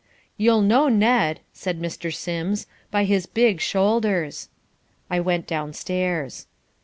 "You'll know Ned," said Mr. Sims, "by his big shoulders." I went downstairs.